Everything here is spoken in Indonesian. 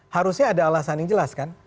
harusnya ada alasan yang jelas kan